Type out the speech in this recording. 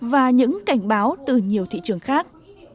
và những cảnh báo từ nhiều thị trường khác